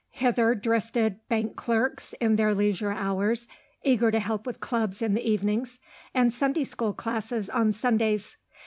Hither drifted bank clerks in their leisure hours, eager to help with clubs in the evenings and Sunday school classes on Sundays.